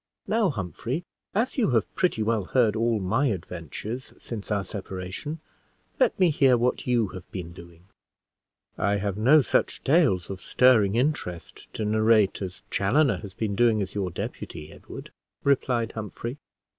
"Now, Humphrey, as you have pretty well heard all my adventures since our separation, let me hear what you have been doing." "I have no such tales of stirring interest to narrate as Chaloner has been doing as your deputy, Edward," replied Humphrey.